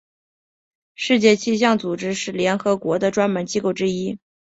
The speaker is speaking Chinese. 世界气象组织是联合国的专门机构之一。